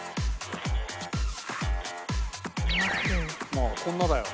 まあこんなだよ。